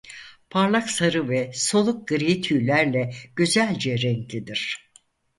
Parlak sarı ve soluk gri tüylerle güzelce renklidir.